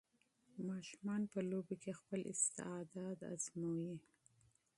ماشومان په لوبو کې خپل استعداد ازمويي.